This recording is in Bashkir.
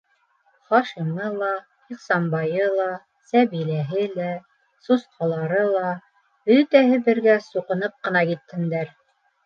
Хашимы ла, Ихсанбайы ла, Сәбиләһе лә, сусҡалары ла бөтәһе бергә суҡынып ҡына китһендәр!